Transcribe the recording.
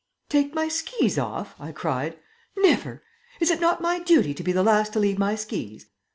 "Take my skis off?" I cried. "Never! Is it not my duty to be the last to leave my skis?